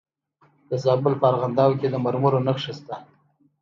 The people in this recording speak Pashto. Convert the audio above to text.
د زابل په ارغنداب کې د مرمرو نښې شته.